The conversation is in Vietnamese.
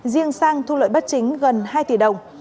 riêng sang thu lợi bất chính gần hai tỷ đồng